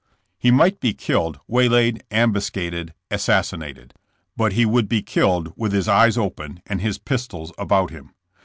He might be killed, waylaid, ambuscaded, assassinated; but he would be killed with his eyes open and his pistols about him.